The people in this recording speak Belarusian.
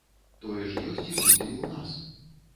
Тое ж ёсць і будзе і ў нас.